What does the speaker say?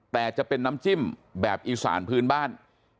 แต่จะเป็นน้ำจิ้มแบบอีสานพื้นบ้าน